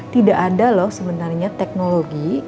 tidak ada loh sebenarnya teknologi